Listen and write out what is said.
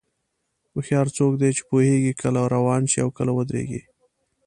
هوښیار څوک دی چې پوهېږي کله روان شي او کله ودرېږي.